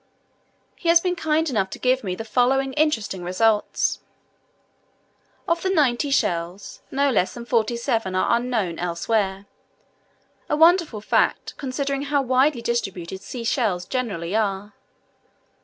He has been kind enough to give me the following interesting results: Of the ninety shells, no less than forty seven are unknown elsewhere a wonderful fact, considering how widely distributed sea shells generally are.